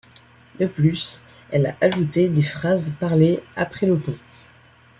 De plus, elle a ajouté des phrases parlées après le pont.